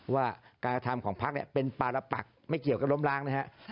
ว่าการกระทำของพักเป็นปารปักไม่เกี่ยวกับล้มล้างนะครับ